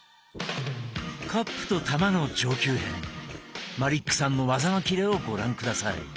カップと玉の上級編マリックさんの技のキレをご覧下さい。